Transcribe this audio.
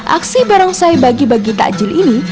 aksi barongsai bagi bagi takjil ini